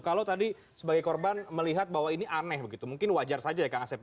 kalau tadi sebagai korban melihat bahwa ini aneh mungkin wajar saja ya kak ngasep